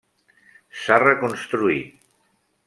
S'ha reconstruït.